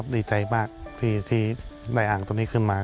ดีใจมากที่ได้อ่างตัวนี้ขึ้นมา